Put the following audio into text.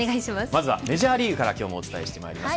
まずはメジャーリーグからお伝えしてまいります。